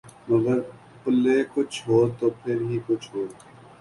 مگر پلے کچھ ہو تو پھر ہی کچھ ہو۔